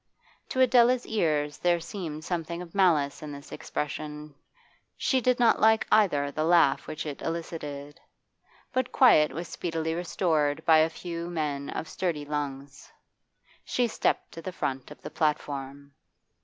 To Adela's ears there seemed something of malice in this expression; she did not like, either, the laugh which it elicited. But quiet was speedily restored by a few men of sturdy lungs. She stepped to the front of the platform.